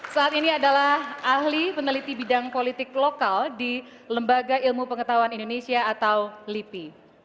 saat ini adalah ahli peneliti bidang politik lokal di lembaga ilmu pengetahuan indonesia atau lipi